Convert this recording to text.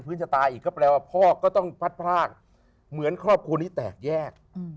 ชะตาอีกก็แปลว่าพ่อก็ต้องพัดพรากเหมือนครอบครัวนี้แตกแยก